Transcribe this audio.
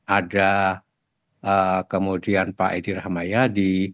ada kemudian pak edi rahmayadi